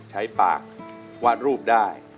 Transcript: ใช้ปากวาดรูปได้